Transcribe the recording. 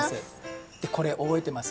これおぼえてます？